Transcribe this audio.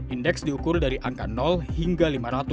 indeks diukur dari angka hingga lima ratus